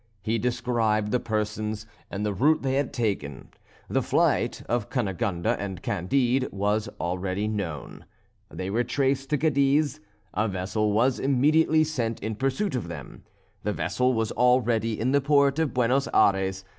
He described the persons, and the route they had taken. The flight of Cunegonde and Candide was already known. They were traced to Cadiz. A vessel was immediately sent in pursuit of them. The vessel was already in the port of Buenos Ayres.